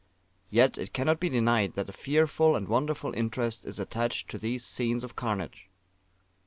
Yet it cannot be denied that a fearful and wonderful interest is attached to these scenes of carnage.